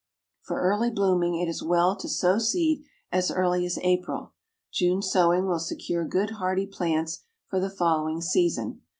For early blooming it is well to sow seed as early as April. June sowing will secure good hardy plants for the following season.